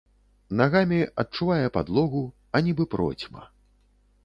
Нагамі адчувае падлогу, а нібы процьма.